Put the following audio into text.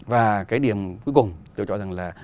và cái điểm cuối cùng tôi cho rằng là